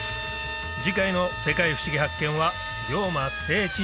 次回の「世界ふしぎ発見！」は龍馬聖地